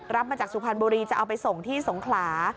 รับมาจากสุพรรณบุรีจะเอาไปส่งที่สงขลา